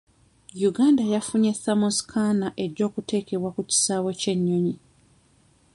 Uganda yafunye thermoscanner ejja okuteekebwa ku kisaawe ky'ennyonyi.